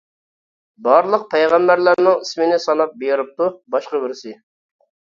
بارلىق پەيغەمبەرلەرنىڭ ئىسمىنى ساناپ بېرىپتۇ، باشقا بىرسى!